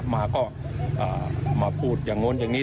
มาก็มาพูดอย่างโน้นอย่างนี้